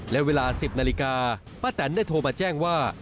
และเวลา๑๐นาฬิกาป้าแตนได้โทรมาแจ้งว่า